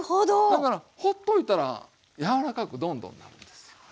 だからほっといたら柔らかくどんどんなるんですよ。